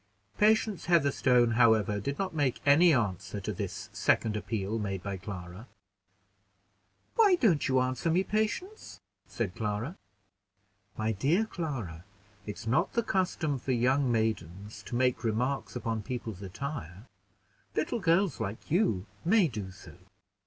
Patience Heatherstone, however, did not make any answer to this second appeal made by Clara. "Why don't you answer me, Patience?", said Clara. "My dear Clara, it's not the custom for young maidens to make remarks upon people's attire. Little girls like you may do so."